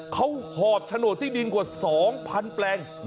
เขาหอบฉโนตที่ดินกว่า๒พันแปลง